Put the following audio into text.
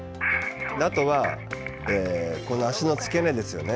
あとは脚の付け根ですよね。